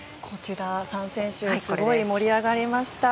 すごい盛り上がりました。